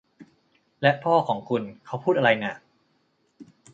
และพ่อของคุณ เขาพูดอะไรน่ะ